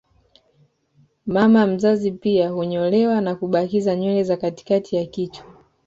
Mama mzazi pia hunyolewa na kubakizwa nywele za katikati ya kichwa